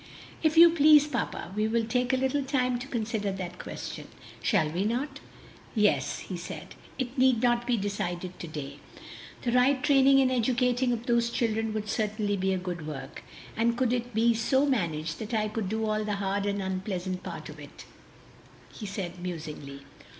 "If you please, papa, we will take a little time to consider that question; shall we not?" "Yes," he said, "it need not be decided to day. The right training and educating of those children would certainly be a good work, and could it be so managed that I could do all the hard and unpleasant part of it " he said musingly.